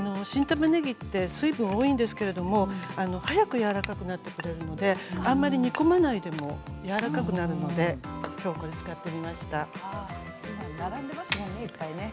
新たまねぎって水分が多いんですけど早くやわらかくなってくれるので、あまり煮込まなくてもやわらかくなるのできょうはこれを使ってみました。